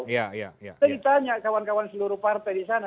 saya ditanya kawan kawan seluruh partai di sana